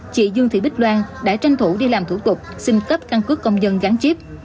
chị dương thị bích loan đã tranh thủ đi làm thủ tục xin cấp căn cước công dân gắn chip